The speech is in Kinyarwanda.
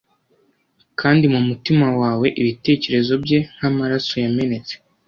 Kandi mumutima wawe ibitekerezo bye nkamaraso yamenetse,